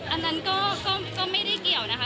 อันนั้นก็ไม่ได้เกี่ยวนะคะ